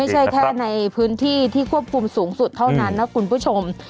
แค่ในพื้นที่ที่ควบคุมสูงสุดเท่านั้นนะคุณผู้ชม